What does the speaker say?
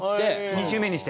２週目にして？